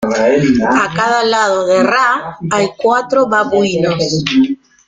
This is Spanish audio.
A cada lado de Ra hay cuatro babuinos.